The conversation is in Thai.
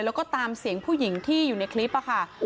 แล้วก็ตามเสียงผู้หญิงที่อยู่ในคลิปค่ะ